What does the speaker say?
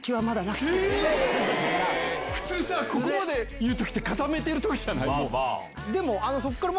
普通ここまで言う時って固めてる時じゃない。